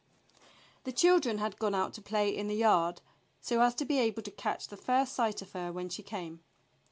The children had gone out to play in the yard, so as to be able to catch the first sight of her when she came.